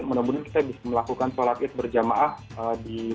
menempatkan kita bisa melakukan sholat iz berjamaah di